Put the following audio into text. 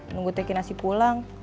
nunggu teki nasi pulang